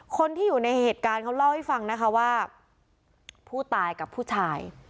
คนที่อยู่ในเหตุการณ์เขาเล่าให้ฟังนะคะว่าผู้ตายกับผู้ชาย